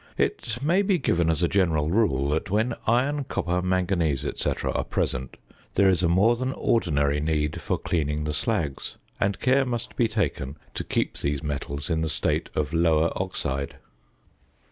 It may be given as a general rule that when iron, copper, manganese, &c., are present, there is a more than ordinary need for cleaning the slags, and care must be taken to keep these metals in the state of lower oxide.